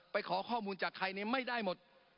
ไปขอข้อมูลจากใครเนี่ยไม่ได้หมด